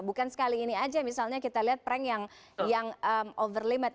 bukan sekali ini aja misalnya kita lihat prank yang overlimit